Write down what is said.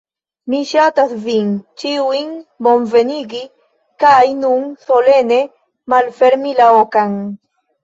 Mi ŝatas vin ĉiujn bonvenigi kaj nun solene malfermi la okan